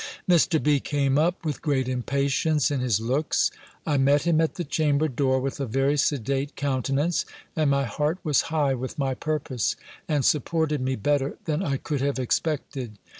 Mr. B. came up, with great impatience in his looks. I met him at the chamber door, with a very sedate countenance, and my heart was high with my purpose, and supported me better than I could have expected.